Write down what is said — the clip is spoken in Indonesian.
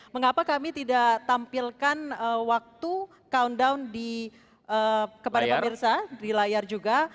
mengapa kami tidak tampilkan waktu countdown kepada pemirsa di layar juga